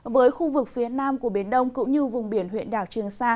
với khu vực phía nam của biển đông cũng như vùng biển huyện đảo trường sa